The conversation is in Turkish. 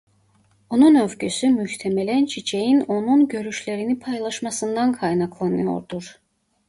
Onun övgüsü muhtemelen Çiçek'in onun görüşlerini paylaşmasından kaynaklanıyordur.